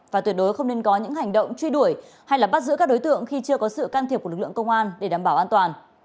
và tuyệt đối không nên có những hành động truy đuổi hay bắt giữ các đối tượng khi chưa có sự can thiệp của lực lượng công an để đảm bảo an toàn